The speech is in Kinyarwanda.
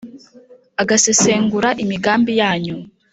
agasesengura imigambi yanyu.